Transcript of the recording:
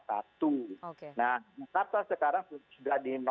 nah jakarta sekarang sudah di